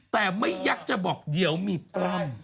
แต่ไม่ยักษ์จะบอกเดี๋ยวมีปล้ำ